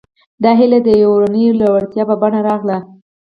دا هيله د يوې اورنۍ لېوالتيا په بڼه راغله.